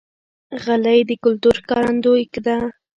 غلۍ د کلتور ښکارندوی ده.